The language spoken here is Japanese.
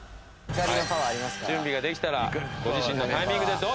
準備ができたらご自身のタイミングでどうぞ。